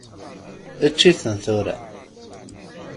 Ečč-iten, tura!